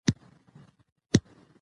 دا کلمه اوږده او نرمه ویل کیږي.